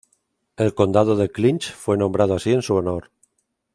El Condado de Clinch fue nombrado así en su honor.